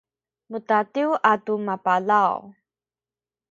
mudadiw atu mapalaw